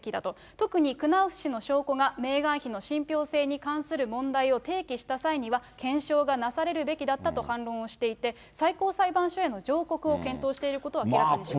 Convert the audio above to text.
特にクナウフ氏の証拠がメーガン妃の信ぴょう性に関する問題を提起した際には、検証がなされるべきだったと反論をしていて、最高裁判所への上告を検討していることを明らかにしました。